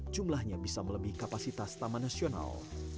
jumlahnya bisa melebihi kapasitas taman nasional